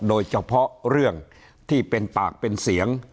โดยเฉพาะเรื่องที่เป็นปากเป็นเสียง